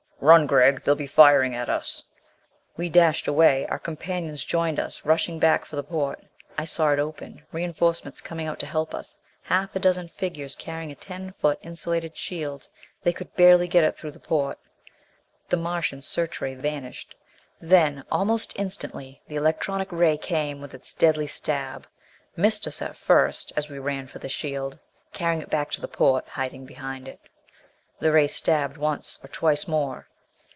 "Run, Gregg! They'll be firing at us." We dashed away. Our companions joined us, rushing back for the port. I saw it open, reinforcements coming out to help us half a dozen figures carrying a ten foot insulated shield. They could barely get it through the port. The Martian searchray vanished. Then almost instantly the electronic ray came with its deadly stab. Missed us at first, as we ran for the shield, carrying it back to the port, hiding behind it. The ray stabbed once or twice more.